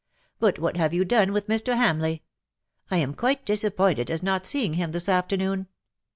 " But what have you done with Mr. Ham leigh ? I am quite disappointed at not seeing him this afternoon.'